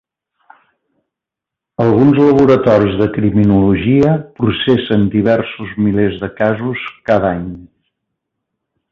Alguns laboratoris de criminologia processen diversos milers de casos cada any.